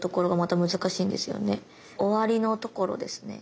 終わりのところですね。